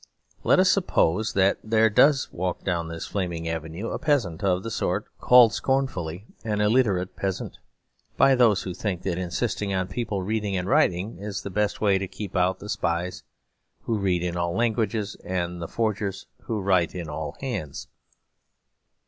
But let us suppose that there does walk down this flaming avenue a peasant, of the sort called scornfully an illiterate peasant; by those who think that insisting on people reading and writing is the best way to keep out the spies who read in all languages and the forgers who write in all hands.